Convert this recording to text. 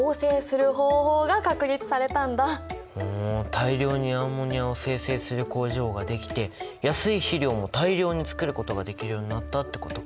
大量にアンモニアを生成する工場ができて安い肥料も大量につくることができるようになったってことか。